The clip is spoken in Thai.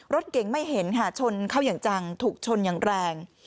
รถเก่งไม่เห็นค่ะชนเข้าอย่างจังถูกชนอย่างแรง